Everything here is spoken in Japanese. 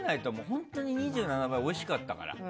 本当に２７倍おいしかったから。